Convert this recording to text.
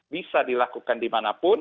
bisa dilakukan dimanapun